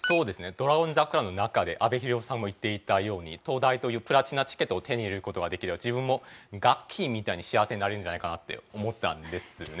『ドラゴン桜』の中で阿部寛さんも言っていたように東大というプラチナチケットを手に入れる事ができれば自分もガッキーみたいに幸せになれるんじゃないかなって思ったんですね。